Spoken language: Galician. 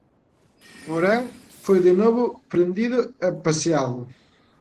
Porén, foi de novo prendido e paseado.